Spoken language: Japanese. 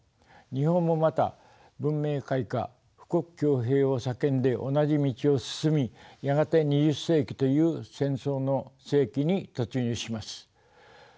日本もまた文明開化富国強兵を叫んで同じ道を進みやがて２０世紀という戦争の世紀に突入します。